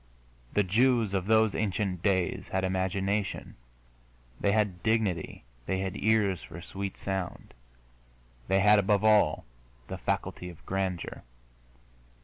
The Jews of those ancient days had imagination, they had dignity, they had ears for sweet sound, they had, above all, the faculty of grandeur.